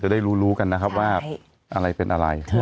จะได้รู้กันนะครับว่าเป็นอะไร